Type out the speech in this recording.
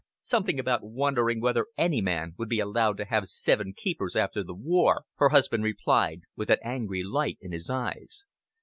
"Something about wondering whether any man would be allowed to have seven keepers after the war," her husband replied, with an angry light in his eyes.